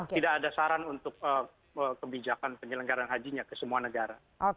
tidak ada saran untuk kebijakan penyelenggaran hajinya ke semua negara